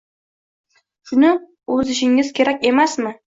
Shuni o’ziishingiz kerak emasmi?